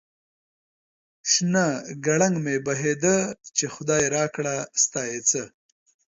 شنه گړنگ مې بهيده ، چې خداى راکړه ستا يې څه ؟